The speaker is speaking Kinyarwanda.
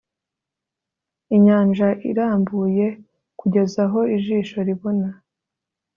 inyanja irambuye kugeza aho ijisho ribona